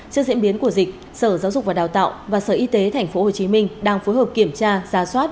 trước diễn biến của dịch sở giáo dục và đào tạo và sở y tế tp hcm đang phối hợp kiểm tra giả soát